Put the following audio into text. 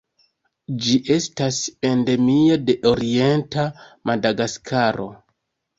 Ĝi estas endemia de orienta Madagaskaro.